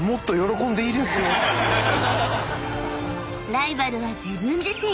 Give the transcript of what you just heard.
［ライバルは自分自身］